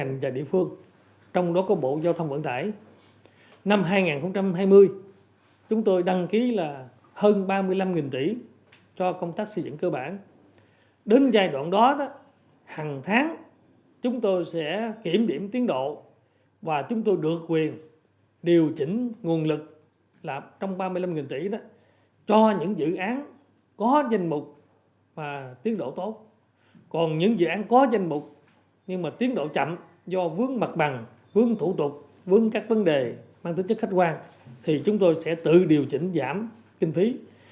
những dự án có danh mục và tiến độ tốt còn những dự án có danh mục nhưng mà tiến độ chậm do vướng mặt bằng vướng thủ tục vướng các vấn đề mang tính chất khách quan thì chúng tôi sẽ tự điều chỉnh giảm kinh phí